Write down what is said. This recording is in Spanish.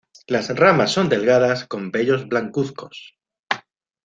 Las ramas son delgadas, con vellos blancuzcos.